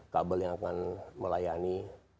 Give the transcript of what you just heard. kabel yang akan melayani